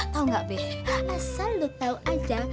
tau gak be asal lo tau aja